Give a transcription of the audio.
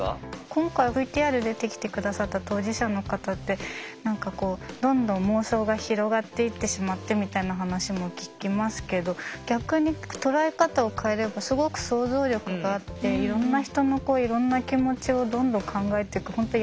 今回ＶＴＲで出てきて下さった当事者の方って何かこうどんどん妄想が広がっていってしまってみたいな話も聞きますけど逆に捉え方を変えればすごく想像力があっていろんな人のいろんな気持ちをどんどん考えていく本当